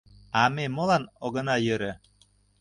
— А ме молан огына йӧрӧ?